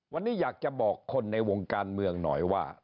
วันนี้อยากจะบอกคนในวงการเมืองหน่อยว่า